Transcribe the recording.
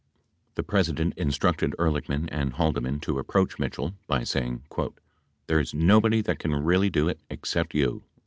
The President instructed Ehrlichman and Haldeman to approach Mitchell by saying, "there's nobody that can really do it except you."